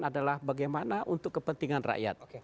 adalah bagaimana untuk kepentingan rakyat